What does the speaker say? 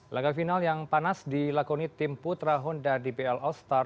laga final yang panas dilakoni tim putra honda dpl all star dua ribu dua puluh dua